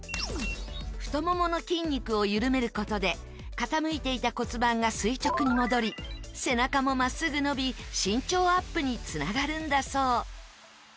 太ももの筋肉を緩める事で傾いていた骨盤が垂直に戻り背中も真っすぐ伸び身長アップにつながるんだそう。